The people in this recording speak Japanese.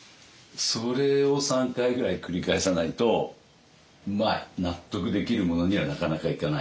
それを３回ぐらい繰り返さないとまあ納得できるものにはなかなかいかないです。